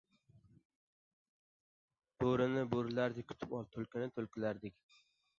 • Bo‘rini bo‘rilardek kutib ol, tulkini — tulkilardek.